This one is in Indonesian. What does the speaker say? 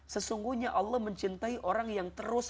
sesungguhnya allah mencintai orang yang terus